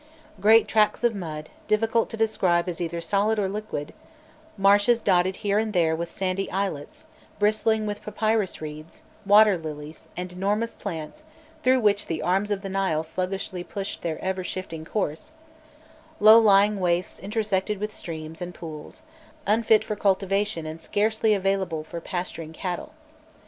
Great tracts of mud, difficult to describe as either solid or liquid, marshes dotted here and there with sandy islets, bristling with papyrus reeds, water lilies, and enormous plants through which the arms of the Nile sluggishly pushed their ever shifting course, low lying wastes intersected with streams and pools, unfit for cultivation and scarcely available for pasturing cattle.